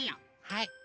はい。